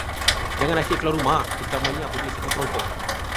Jangan asyik keluar rumah, terutamanya apabila sakit kerongkong.